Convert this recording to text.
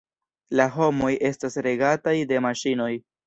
La homoj estas regataj de maŝinoj.